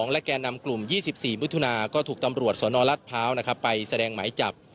และแก่นำกลุ่ม๒๔มิถุนาก็ถูกตำรวจสนรัฐพร้าวไปแสดงหมายจับ